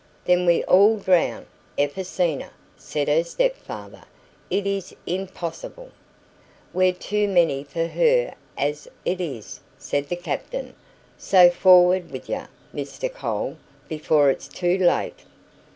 "Then we all drown, Evasinha," said her stepfather. "It is impossible." "We're too many for her as it is," said the captain. "So for'ard with ye, Mr. Cole, before it's too late."